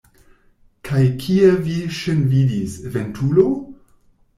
Kaj kie vi ŝin vidis, ventulo?